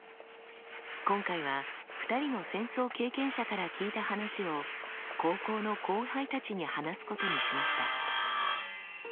今回は２人の戦争経験者から聞いた話を高校の後輩たちに話すことにしました。